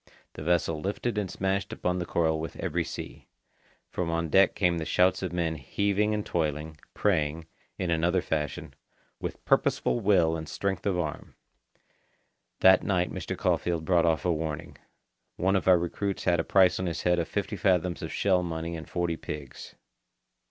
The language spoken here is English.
The vessel lifted and smashed upon the coral with every sea. From on deck came the shouts of men heaving and toiling, praying, in another fashion, with purposeful will and strength of arm. That night Mr. Caulfeild brought off a warning. One of our recruits had a price on his head of fifty fathoms of shell money and forty pigs.